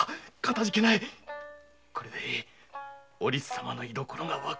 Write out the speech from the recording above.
これでおりつ様の居所が分かる。